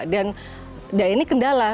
dan ini kendala